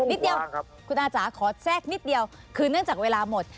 นิดเดียวคุณอาจ๋าขอแทรกนิดเดียวคือเนื่องจากเวลาหมด